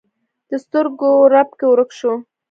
د سترګو رپ کې ورک شو